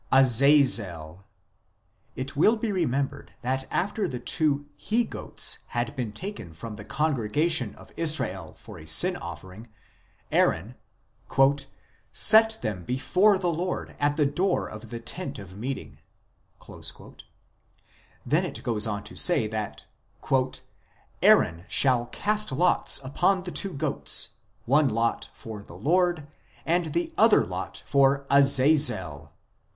Azazel. It will be remembered that after the two he goats had been taken from the congregation of Israel for a sin offering, Aaron " set them before the Lord at the door of the tent of meeting "; then it goes on to say that " Aaron shall cast lots upon the two goats ; one lot for the Lord, and the other lot for Azazel."